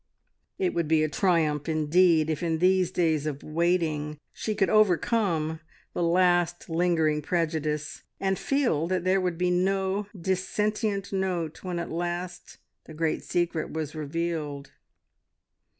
It would be a triumph, indeed, if in these days of waiting she could overcome the last lingering prejudice, and feel that there would be no dissentient note when at last the great secret was revealed.